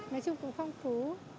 nói chung cũng phong phú